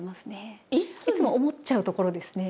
いつも思っちゃうところですね。